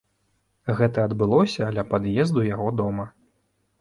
Гэта адбылося ля пад'езду яго дома.